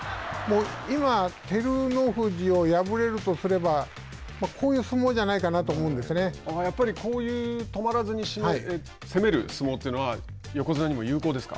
今、照ノ富士を破れるとすればこういう相撲じゃないかなとやっぱりこういう止まらずに攻める相撲というのは横綱にも有効ですか。